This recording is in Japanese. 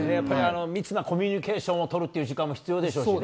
密なコミュニケーションを取るという時間も必要でしょうしね。